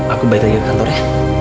aku balik lagi ke kantor ya